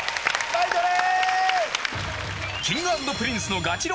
バイトレ！